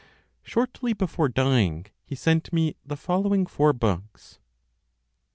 Shortly before dying, he sent me the following four books: 51.